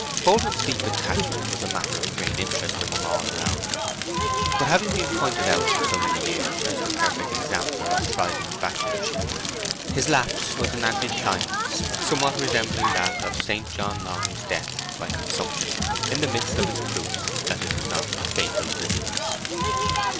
Boldwood's deep attachment was a matter of great interest among all around him; but, after having been pointed out for so many years as the perfect exemplar of thriving bachelorship, his lapse was an anticlimax somewhat resembling that of St. John Long's death by consumption in the midst of his proofs that it was not a fatal disease.